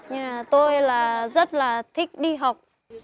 nhưng là tôi là rất là thích đi học